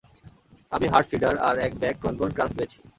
আমি hard cider আর এক ব্যাগ ক্রসবোন ক্রাঞ্চ পেয়েছি!